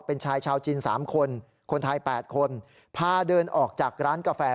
เป็นชายชาวจีน๓คนคนไทย๘คนพาเดินออกจากร้านกาแฟ